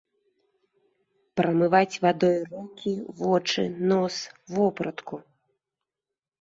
Прамываць вадой рукі, вочы, нос, вопратку.